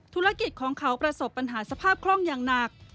ธุรกิจของเขาประสบปัญหาสภาพคล่องอย่างหนัก